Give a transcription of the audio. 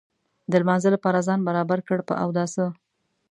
د لمانځه لپاره ځان برابر کړ په اوداسه.